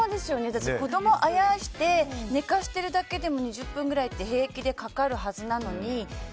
だって、子供をあやして寝かしてるだけでも２０分ぐらいって平気でかかるはずなのに。